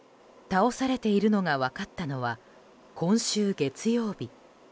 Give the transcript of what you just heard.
倒されているのが分かったのは今週月曜日。